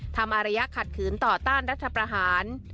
อารยะขัดขืนต่อต้านรัฐประหาร